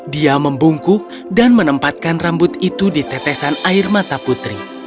dia membungkuk dan menempatkan rambut itu di tetesan air mata putri